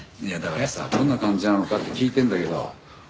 いやだからさどんな感じなのかって聞いてんだけど。